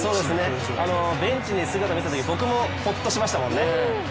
ベンチに姿見せたとき、僕もほっとしましたもんね。